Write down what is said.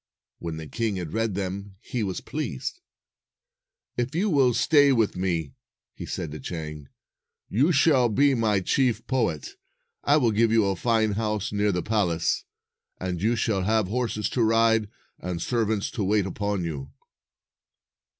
When the king had read them, he was pleased. " If you will stay with me," he said to Chang, "you shall be my chief poet. I will give you a fine house near the palace, and you shall have horses to ride, and servants to wait upon you."